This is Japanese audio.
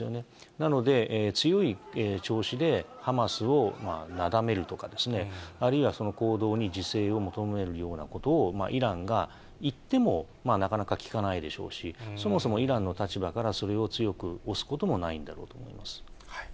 なので、強い調子でハマスをなだめるとか、あるいはその行動に自制を求めるようなことを、イランが言ってもなかなか聞かないでしょうし、そもそもイランの立場から、それを強くおすこともないんだろうと思います。